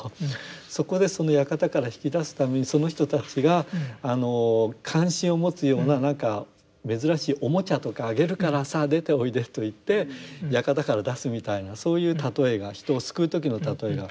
そこでその館から引き出すためにその人たちが関心を持つようななんか珍しいおもちゃとかあげるからさあ出ておいでと言って館から出すみたいなそういう例えが人を救う時の例えが。